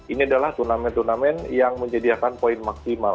ini adalah turnamen turnamen yang menyediakan poin maksimal